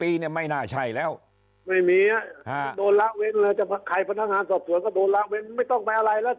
รีถึงเนอะคัยฝนทางหารสอบสวนก็โดนละเว้นไม่ต้องไปอะไรแล้ว